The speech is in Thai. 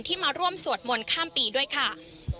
มาร่วมสวดมนต์ข้ามปีด้วยค่ะ